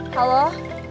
kamu udah pulang